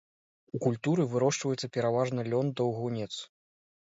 У культуры вырошчваецца пераважна лён-даўгунец.